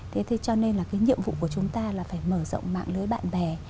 thế thế cho nên là cái nhiệm vụ của chúng ta là phải mở rộng mạng lưới bạn bè